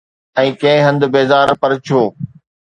۽ ڪنهن هنڌ بيزار، پر ڇو؟